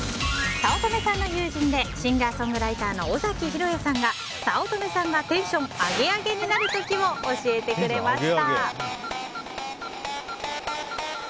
早乙女さんの友人でシンガーソングライターの尾崎裕哉さんが早乙女さんがテンション上げ上げになる時を教えてくれました。